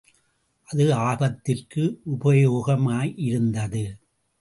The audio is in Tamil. அது ஆபத்திற்கு உபயோகமாயிருந்தது.